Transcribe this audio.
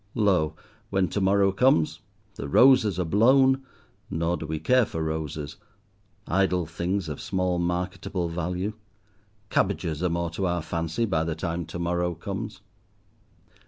Lo, when to morrow comes, the roses are blown; nor do we care for roses, idle things of small marketable value; cabbages are more to our fancy by the time to morrow comes.